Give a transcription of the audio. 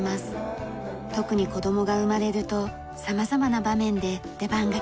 特に子供が生まれると様々な場面で出番がきます。